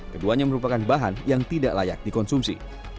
keduanya merupakan bahan yang tidak layak dikonsumsi